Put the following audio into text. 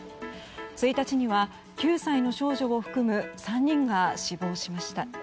１日には９歳の少女を含む３人が死亡しました。